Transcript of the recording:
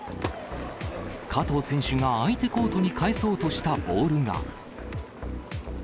加藤選手が相手コートに返そうとしたボールが。